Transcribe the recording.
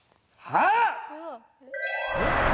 はい。